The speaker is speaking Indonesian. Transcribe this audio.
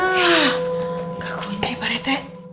nggak kunci pak rete